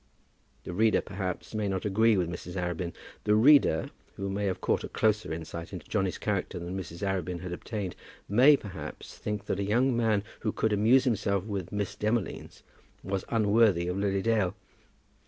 The reader, perhaps, may not agree with Mrs. Arabin. The reader, who may have caught a closer insight into Johnny's character than Mrs. Arabin had obtained, may, perhaps, think that a young man who could amuse himself with Miss Demolines was unworthy of Lily Dale.